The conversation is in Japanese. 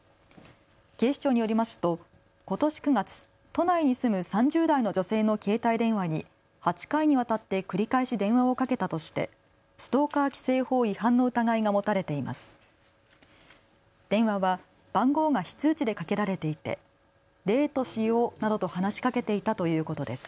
警視庁によりますとことし９月、都内に住む３０代の女性の携帯電話に８回にわたって繰り返し電話をかけたとしてストーカー規制法違反の疑いが持たれています。